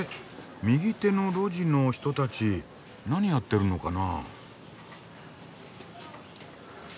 右手の路地の人たち何やってるのかな？